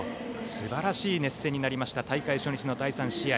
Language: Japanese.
すばらしい熱戦になりました大会初日の第３試合。